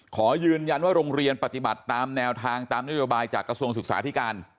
ขอยืนยันว่าโรงเรียนปฏิบัติตามแนวทางตามนโยบายจากกระทรวงศึกษาธิการ